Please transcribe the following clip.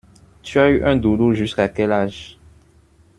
Tu as eu un doudou jusqu'à quel âge?